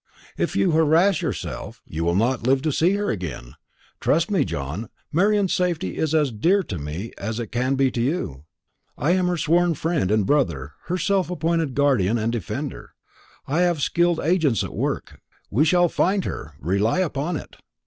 "If you harass yourself, you will not live to see her again. Trust in me, John; Marian's safety is as dear to me as it can be to you. I am her sworn friend and brother, her self appointed guardian and defender. I have skilled agents at work; we shall find her, rely upon it."